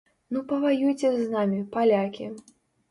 Ну паваюйце з намі, палякі!